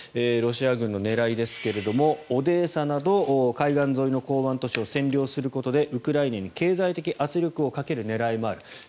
ロシア軍の狙いですがオデーサなど海岸沿いの港湾都市を占領することでウクライナに経済的圧力をかける狙いもある。